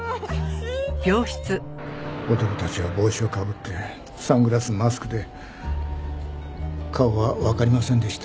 男たちは帽子をかぶってサングラスマスクで顔はわかりませんでした。